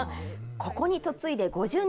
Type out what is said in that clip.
ここに嫁いで５０年。